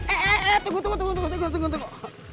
eh eh eh tunggu tunggu tunggu